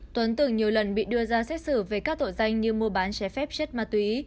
tuấn từng nhiều lần bị đưa ra xét xử về các tội danh như mua bán trái phép chất ma túy